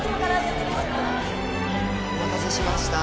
お待たせしました。